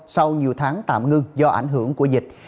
sau nhiều tháng tạm ngưng do ảnh hưởng của dịch